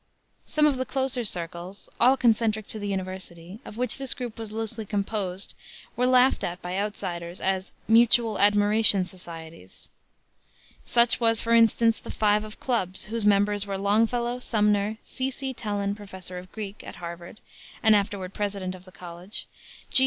Some of the closer circles all concentric to the university of which this group was loosely composed were laughed at by outsiders as "Mutual Admiration Societies." Such was, for instance, the "Five of Clubs," whose members were Longfellow, Sumner, C. C. Tellon, Professor of Greek at Harvard, and afterward president of the college; G.